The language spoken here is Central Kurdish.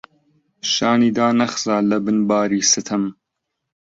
شانی دانەخزا لەبن باری ستەم،